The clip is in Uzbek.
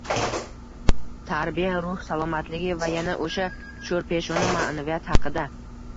Tarbiya, ruh salomatligi va yana o‘sha sho‘rpeshona ma’naviyat haqida